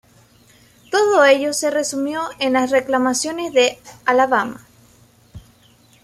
Todo ello se resumió en las reclamaciones de Alabama.